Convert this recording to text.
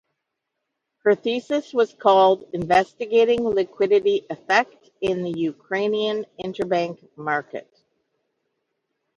Her thesis was called "Investigating Liquidity Effect in the Ukrainian Interbank Market".